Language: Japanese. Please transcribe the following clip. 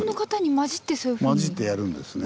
交じってやるんですね。